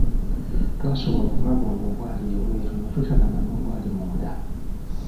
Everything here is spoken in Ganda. Twasobola okulaba obwo obwali ebweru ne tutalaba n'obwali munda.